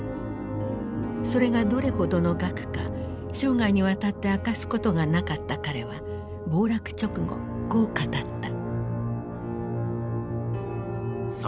それがどれほどの額か生涯にわたって明かすことがなかった彼は暴落直後こう語った。